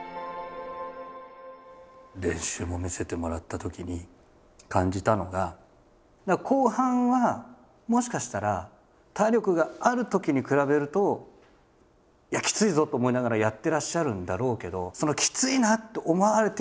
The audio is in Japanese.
練習も見せてもらったときに感じたのが後半はもしかしたら体力があるときに比べるときついぞと思いながらやってらっしゃるんだろうけど。